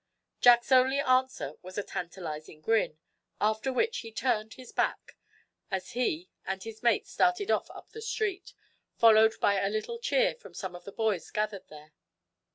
Jack's only answer was a tantalizing grin, after which he turned, his back, as he and his mates started off up the street, followed by a little cheer from some of the boys gathered there.